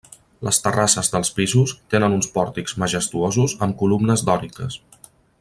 Les terrasses dels pisos tenen uns pòrtics majestuosos amb columnes dòriques.